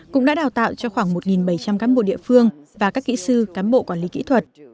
cũng đã đào tạo cho khoảng một bảy trăm linh cán bộ địa phương và các kỹ sư cán bộ quản lý kỹ thuật